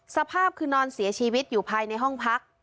สภาพคือนอนเสียชีวิตอยู่ภายในห้องพัก